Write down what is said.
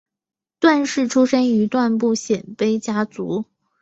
段氏出身于段部鲜卑家族。